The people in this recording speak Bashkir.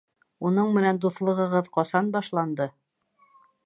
Уның менән дуҫлығығыҙ ҡасан башланды?